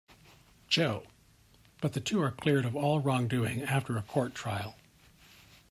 Joe, but the two are cleared of all wrongdoing after a court trial.